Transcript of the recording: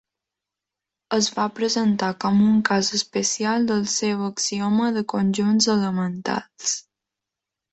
Es va presentar com un cas especial del seu axioma de conjunts elementals.